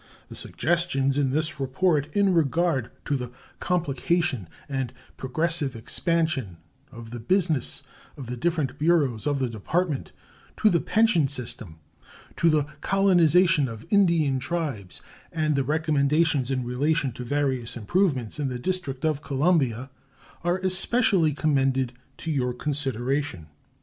The suggestions in this report in regard to the complication and progressive expansion of the business of the different bureaus of the Department, to the pension system, to the colonization of Indian tribes, and the recommendations in relation to various improvements in the District of Columbia are especially commended to your consideration.